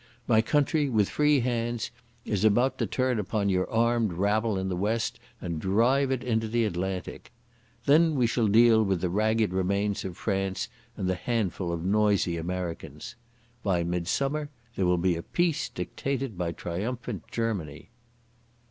My country with free hands is about to turn upon your armed rabble in the West and drive it into the Atlantic. Then we shall deal with the ragged remains of France and the handful of noisy Americans. By midsummer there will be peace dictated by triumphant Germany."